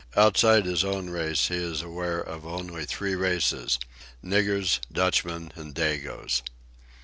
Outside his own race he is aware of only three races: niggers, Dutchmen, and Dagoes.